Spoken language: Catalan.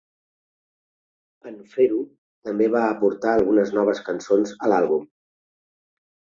En fer-ho, també va aportar algunes noves cançons a l'àlbum.